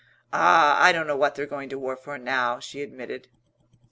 "Ah, I don't know what they're going to war for now," she admitted.